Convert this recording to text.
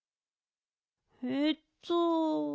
えっと。